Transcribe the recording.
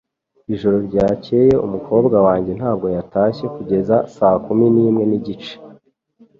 Ijoro ryakeye umukobwa wanjye ntabwo yatashye kugeza saa kumi n'imwe n'igice